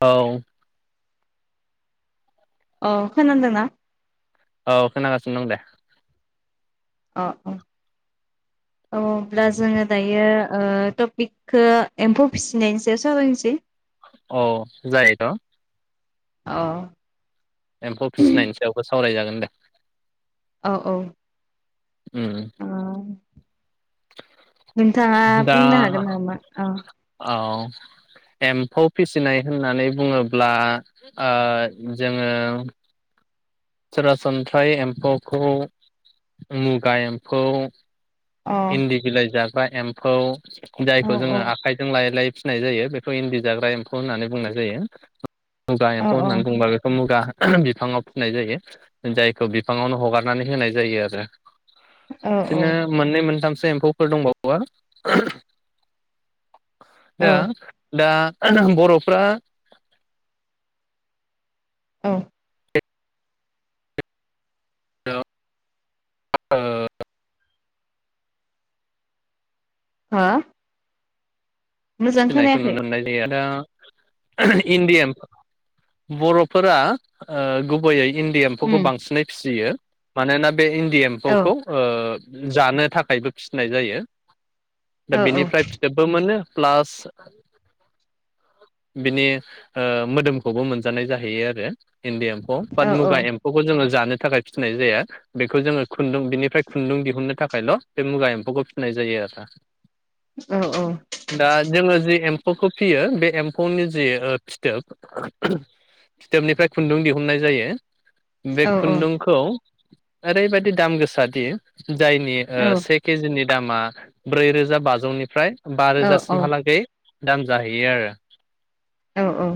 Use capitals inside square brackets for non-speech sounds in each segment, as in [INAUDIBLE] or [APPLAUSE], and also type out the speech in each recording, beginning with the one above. औ अ खोनांदोंना? औ खोनागासिनो दं दे अ अ औब्ला जोङो दायो ओ टपिकखौ एम्फौ फिसिनायनि सायाव सावरायसै अ जायोथ' अ एम्फौ फिसिनायनि सायावबो सावरायजागोन दे औ औ। उम। अ नोंथाङा दा बुंनो हागोन नामा? ओ। औ एम्फौ फिसिनाय होननानै बुङोब्ला ओ जोङो सरासन्थ्रायै एम्फौखौ मुगा एम्फौ अ इन्दि बिलाय जाग बा एम्फौ औ जायखौ जोङो आखायजों लाय लाय फिनाय जायो बेखौ इन्दि जाग्रा एम्फौ होननानै बुंनाय जायो। मुगा औ एम्फौ औ होननानै बुंबा बेखौ मुगा बिफाङाव फिनाय जायो जायखौ बिफाङावनो हगारनानै होनाय जायो आरो। औ बिदिनो माननै मोन [UNINTELLIGIBLE] एम्फौफोर दंबावो औ दा दा बर'फ्रा औ। हेल' ओ हा? फिनायखौ नुनो मोननाय जायो आरो। दा इन्दि एम , बर'फोरा ओ गुबैयै इन्दि एम्फौखौ उम बांसिनै फिसियो। मानो ना बे इन्दि औ एम्फौखौ ओ जानो थाखायबो फिनाय जायो। दा औ औ बिनिफ्राय फिथोबबो मोनो। प्लास बिनि ओ मोदोमखौबो मोनजानाय जाहैयो आरो। इन्दि एम्फौ औ बाथ मुगा एम्फौखौ जोङो जानो थाखाय फिसिनाय जाया। बेखौ जोङो खुन्दुं बिनिफ्राय खुन्दुं दिहुननो थाखायल' बे मुगा एम्फौखौ फिसिनाय जायो आरोना। औ दा जोङो जि एम्फौखौ फियो बे एम्फौनि जि फिथोब फिथोबनिफ्राय खुन्दुं दिहुननाय जायो। बे औ खुन्दुंखौ ओरैबायदि दाम गोसादि जायनि औ से केजिनि दामा ब्रैरोजा बाजौनिफ्राय औ बारोजा औ सिमहालागै दाम जाहैयो आरो औ औ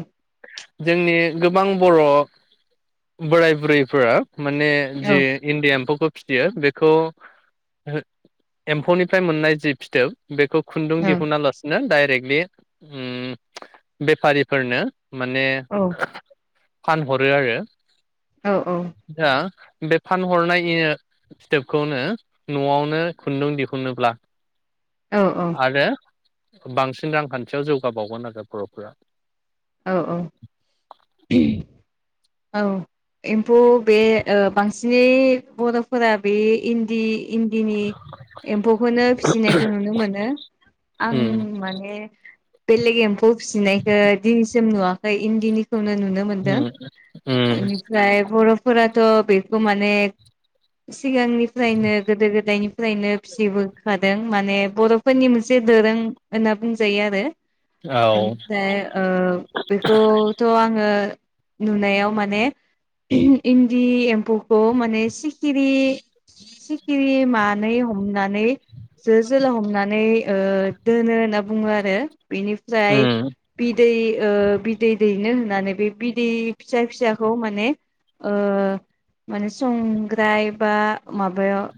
जोंनि गोबां बर' बोराय बुरैफोरा माने जि इणडि एम्फौखौ फिथियो बेखौ ओहो एम्फौनिफ्राय मोननाय जि फिथोब बेखौ खुन्दुं दिहुना लासे डाइरेक्टलि ओं बेफारिफोरनो माने फानहरो आरो दा बे फानहरनाय एओ फिथोबखौनो न'आवनो खुन्दुं दिहुनोब्ला औ आरो बांसिन रांखान्थियाव जौगाबावगोन आरो बर'फोरा औ औ औ एम्फौ बे ओ बांसिनै बर'फोरा बे इन्दि इन्दिनि एम्फौखौनो फिसिनायखौ नुनो मोनो आं उम माने बेलेग एम्फौ फिसिनायखो दिनैसिम नुवा इन्दिनि खौनो नुनो मोन्दों उम उम बिनिफ्राय बर फोराथ बेखौ माने सिगांनिफ्रायनो गोदो गोदायनिफ्रायनो फिसिबोखादों माने बर' फोरनि मोनसे दोरों होनना बुंजायो आरो औ बेनिफ्राय बेखौथ' आङो नुनायाव माने इन्दि एम्फौखौ माने सिखिरि सिखिरि मानै हनानै जो जला हमनानै ओ दोनो होना बुङो आरो बिनिफ्राय उम बिदै ओ बिदै दैनो होननानै बे बिदै फिसा फिसाखौ माने माने संग्राय बा माबायाव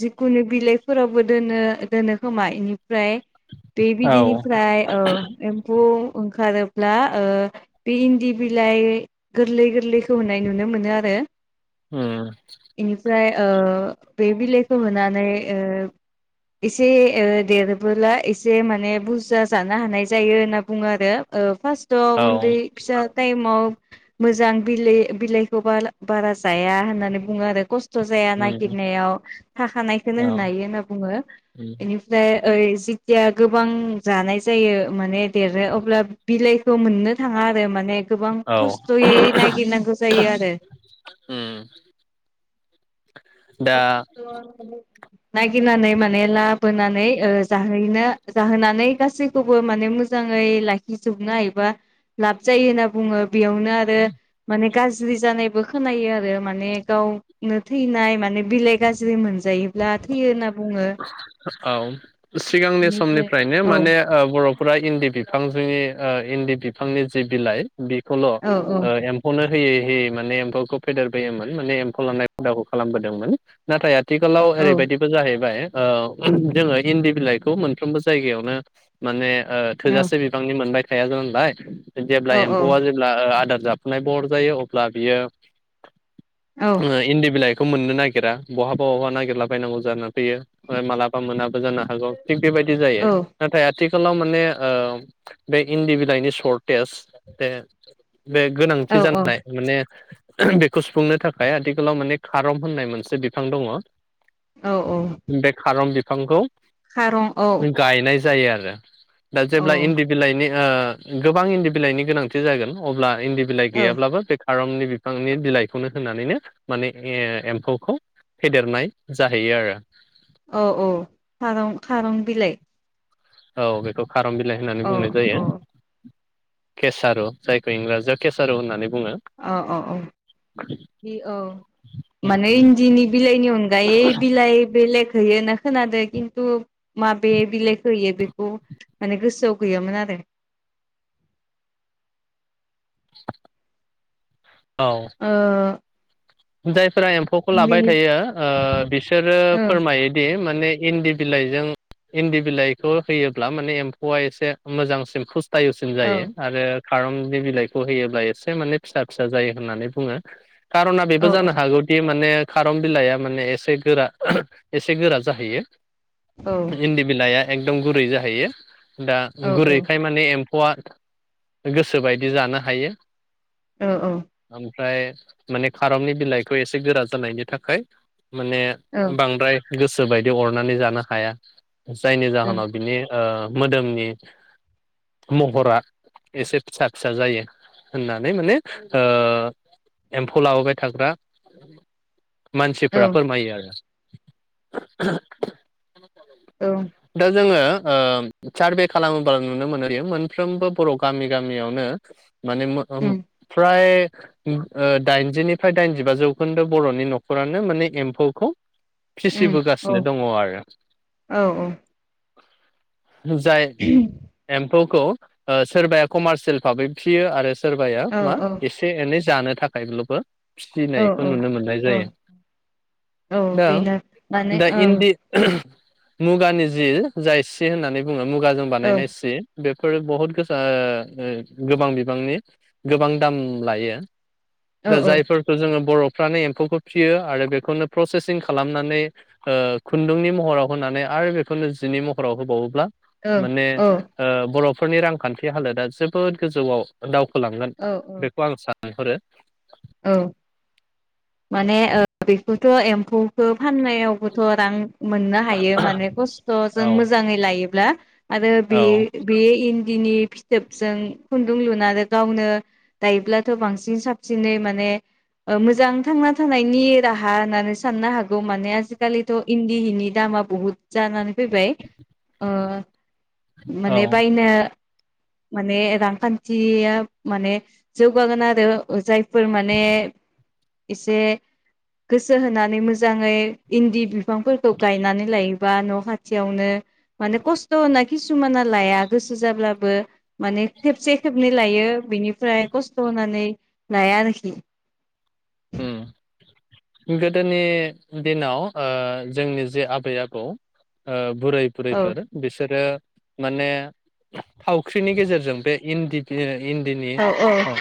जिखुनु बिलाइफोरावबो दोनो दोनो खोमा बेनिफ्राय बे औ बिदैनिफ्राय ओ एम्फौ ओंखारोब्ला ओ बे इन्दि बिलाइ गोरलै गोरलैखौ होनाय नुनो मोनो आरो उम बेनिफ्राय ओ बे बिलाइखौ होनानै ओ एसे ओ देरोबोला एसे माने बुरजा जानो हानाय जायो होनना बुङो आरो ओ फास्टआव औ उन्दै फिसा टाइमआव मोजां बिलाइ बिलाइखौ बार बारा जाया होननानै बुङो आरो खस्थ' स्थ' जाया उम नागिरनायाव थाखानायखौनो औ होनो हायो होनना बुङो। उम एनिफ्राय ओइ जिथिया गोबां जानाय जायो माने देरो अब्ला बिलाइखौ मोननो थाङा आरो माने ने गोबां औ खस यै नायगिर नांगौ जायो आरो उम दा [INAUDIBLE] नायगिरनानै मा नै लाबोनानै ओ जाहोयोना जाहोनानै गासैखौबो माने मोजाङै लाखिजोबनो हायोबा लाब जायो होनना बुङो। बेयावनो आरो माने गाज्रि जानायबो खोनायो आरो माने गावनो थैनाय माने बिलाइ गाज्रि मोनजायोब औ सिगांनि बेनिफ्राय समनिफ्रायनो औ माने ओ बर'फोरा इन्दि बिफां जोंनि इन्दि बिफांनि जि बिलाइ बेखौल' ओ औ औ एम्फौनो होयै होयै माने एम्फौखौ फेदेरबोयोमोन माने एम्फौ लानानाय हुदाखौ खालामबोदोंमोन नाथाय आथ थिखालाव औ [UNINTELLIGIBLE] जाहैबाय ओ जोङो इन्दि बिलाइखौ मोनफ्रोबो जायगायावनो माने। ओ औ थोजासे बिबांनि मोनबाय साया जानबाय जेब्ला औ एम्फौआ जेब्ला ओ आदार जाब नाय बर जायो अब्ला बियो। औ उम इन्दि बिलाय खौ मोननो नागिरा बहाबा बहाबा नागिरला बायनांगौ जानानै फैयो ओमफ्राय मालाबा मोनाबो जानो हागौ। थिग बेबायदि जायो नाथाय आथि खालाव माने ओ बे इन्दि बिलाइनि सर्टेज बे बे गोनांथि औ जानाय माने बेखौ सुफुंनो थाखाय आथिखालाव माने खारं होननाय मोनसे बिफां दङ। औ औ बे खारं बि फांखौ खारं औ। जायो आरो दा औ जेब्ला इन्दि बिलाइनि। ओ गोबां इन्दि बिलाइनि गोनांथि जागोन अब्ला इन्दि बिलाइ औ गैयाब्लाबो बे खारंनि बिफांनि बिलाइखौनो होनानैनो माने ए-एम्फौखौ फेदेरनाय जाहैयो आरो। औ औ खारं खारं बिलाइ औ बेखौ। खारम बिलाइ होननानै औ बुंनाय जायो। औ केसार' जायखौ इंराजियाव केसार' होननानै। बुङो। अ ओ औ औ औ माने इन्दिनि बिलाइनि अनगायै बिलाइ बेलेग होयो ना खोनादादों खिन्थु माबे बिलाइखौ होयो बेखौ माने गोसोआव गैयामोन आरो। [INAUDIBLE] औ। ओ [INAUDIBLE] फ्रा एम्फौखौ लाबाय बेनि थायो ओ बिसोरो ओ फोरमायोदि ने इन्दि बिलाइजों इन्दि बिलाइखौ होयोब्ला माने एम्फौआ एसे मोजांसिन पुसटायुसिन औ जायो आरो खारननि बिलाइखौ होयोब्ला एसे माने फिसा फिसा जायो होननानै बुङो खारन औ जानो हागौदि माने खारन बिलाइआ माने एसे गोरा एसे गोरा जाहैयो। औ इन्दि बिलाया एकदम गुरै जाहैयो। दा औ गुरैखाय माने फौआ गोसो बायदि जानो हायो। औ औ। फ्राय माने खारननि बिलाइखौ एसे गोरा जानायनि थाखाय माने औ बांद्राय गोसो बायदि अरनानै जानो हाया। जायनि जाहोनाव बिनि ओ मोदोमनि महरा एसे फिसा फिसा जायो होननानै माने ओ एम्फौ लाबोबाय थाग्रा। औ मानसिफोरा फोरमायो आरो। [INAUDIBLE] औ दा जोङो ओ सारभे खालामोब्ला नुनो मोनोयो मोनफ्रोमबो बर' गामि गामियावनो माने मो उम फ्राय दाइनजिनि फ्राय दाइनजिबा जौखोन्दो बर'नि न'खरानो माने एम्फौखौ फिसि उम औ बोगासिनो दङ आरो औ जाय एम ख खौ ओ सोरबाया कमार्सियेल भाबै फियो आरो सोरबाया औ मा औ एसे एनै जानो थाखायल'बो। फिसिनायखौ औ नुनो मोननाय औ जायो औ दा बेनो माने दा ओं इन्दि मुगानि जि जाय सि होननानै बुङो मुग मुगाजों औ बानायनाय सि। बेफोरो बहुत गोसा ओ गोबां बिबांनि गोबां दाम लायो । औ औ । जोङो बरफ्रानो एम्फौखौ फियो आरो बेखौनो प्रसेसिं खालामनानै ओ खुन्दुंनि महराव होनानै आरो बेखौनो जिनि महराव होबावोब्ला औ माने औ ओ बर फोरनि रांखान्थि हालोदा जोबोद गोजौाव दाव होलांगोन औ बेखौ आं सान लेंहरो औ । माने ओ बेखौथ एम्फौखौ फाननायावबोथ रां मोननो हायो माने खस्थजों औ मोजाङै लायोब्ला आरो बे औ बे इन दिनि फिथोबजों खुन्दुं लुनानै गावनो दायोब्लाथ बांसिन साबसिनै मा ने ओ मोजां थांना थानायनि राहा होननानै साननो हागौ माने आजिखालिथ इन्दि हिनि दामा बुहुद जानानै फैबाय ओ औ माने बायनो माने रांखान्थिया माने जौगागोन आरो ओ जाय फोर माने एसे गोसो होनानै मोजाङै इन्दि बिफांफोरखौ गायनानै लायोबा न खाथियावनो माने खस्थना किसुमाना लाया गोसो जाब्लाबो । माने खेबसे खेबनै लायो बिनिफ्राय खस्थ होनानै । लाया आरोखि । उ गोदोनि दिनाव ओ जोंनि जे आबै आबौ ओ बुराय औ बुरैफोर बिसोरो माने थावख्रिनि गेजेरजों बे इन्दिदो इन्दिनि औ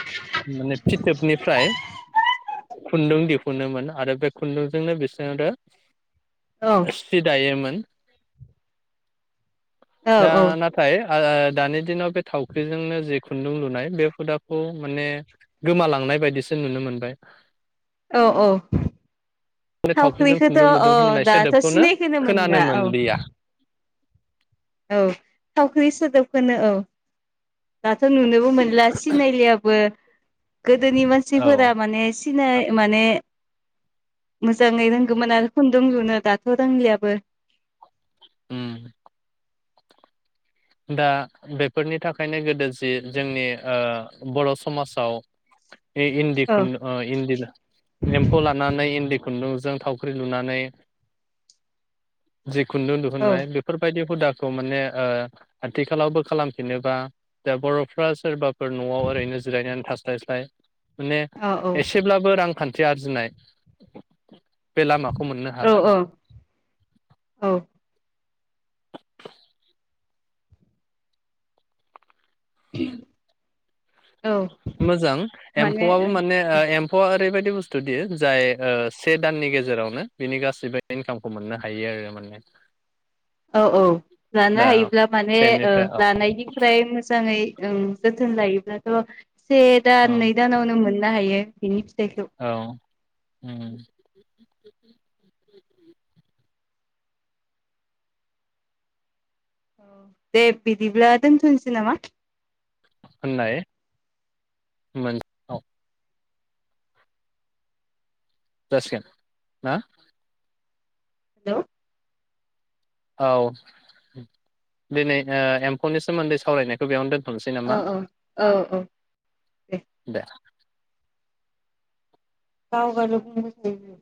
माने फिथोबनिफ्राय खुन्दुं दिहुनोमोन आरो बे खुन्दुंजोंनो बिसोरो औ सि दायोमोन औ [UNINTELLIGIBLE] दा औ नाथाय ओ दानि दिनाव बे थावख्रिजोंनो जि खुन्दुं लुनाय बे हुदाखौ माने गोमालांनाय बायदिसो नुनो मोनबाय औ औ बे थावफिजों थावख्रिखौथ' खुन्दुं लुदुं अ होननाय दाथ' सोदोबखौनो सिनायखोनो मोनला खोनानो औ मोनलिया औ थावख्रि सोदोबखौनो औ दाथ नुनो मोनला सिनायलियाबो गोदोनि औ मानसिफोरा माने सिनाय माने मोजाङै रोंगौमोन आरो खुन्दुं लुनो दाथ रोंलियाबो उम दा बेफोरनि थाखायनो गोदो जि जोंनि ओ बर समाजाव इ-इन्दि औ खुनदु अ इन्दि एम्फौ लानानै इन्दि खुन्दुंजों थावख्रि लुनानै जि खुन्दुं दिुहुननाय बेफोरबायदि हुदा खौ माने ओ आथिखालावबो खालामफिनोबा दा बर'फ्रा सोरबा फोर न'आव ओरैनो जिरायनानै थास स्लाय स्लाय माने औ एसेब्लाबो रांखान थि आरजिनाय बे लामाखौ मोननो हागोन औ औ [INAUDIBLE] मोजां माने एम्फौआबो माने ओ एम्फौआ ओरैबायद दि बुस्थु दि जाय से दाननि गेजेरावनो बिनि गासिबो इनकामखौ मोननो हायो आरो माने औ औ लानो दा हायोब्ला माने ओ सेनिफ्राय औ लानायनिफ्राय मोजाङै औं जोथोन लायोब्ला से दान औ नै दानावनो मोननो हायो बिनि फिथाइखौ औ उम [UNINTELLIGIBLE] दे बिदिब्ला दोनथ'नोसै नामा होननाय मोन औ जासिगोन ना हेलौ औ दिनै ओ एम्फौनि सोमोन्दै सावरायनायखौ बेयावनो दोन औ औ औ औ दे गाव गाल बुंनोसायो